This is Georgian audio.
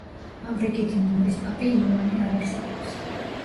ამ რიგითი ნომრის პაპი იოანე არ არსებობს.